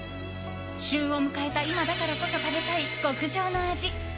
旬を迎えた今だからこそ食べたい極上の味。